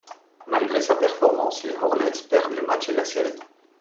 Malgré sa performance, les Hornets perdent le match et la série.